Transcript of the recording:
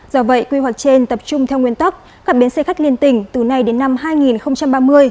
do vậy quy hoạch trên tập trung theo nguyên tắc các bến xe khách liên tỉnh từ nay đến năm hai nghìn ba mươi